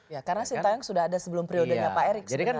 ya karena sinta yang sudah ada sebelum periodenya pak erik sebenarnya